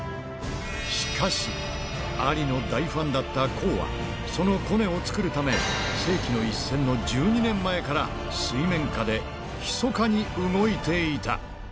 しかし、アリの大ファンだった康は、そのコネを作るため、世紀の一戦の１２年前から、水面下でひそかに動いていた。